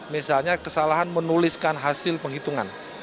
misalnya kesalahan menuliskan hasil penghitungan